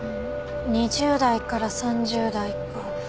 ２０代から３０代か。